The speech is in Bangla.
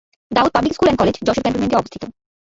Daud public school and college Jessore ক্যান্টনমেন্টে অবস্থিত।